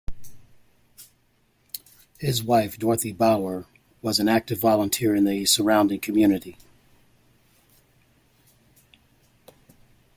His wife, Dorothy Brower, was an active volunteer in the surrounding community.